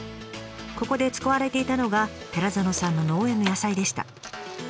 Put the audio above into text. ここで使われていたのが寺園さんの農園の野菜でした。